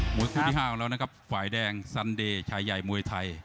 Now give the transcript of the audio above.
หมวยคู่ที่๕แล้วนะครับฝ่ายแดงซันเดย์ชายใหญ่มวยไทย